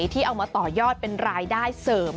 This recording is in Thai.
ที่เอามาต่อยอดเป็นรายได้เสริม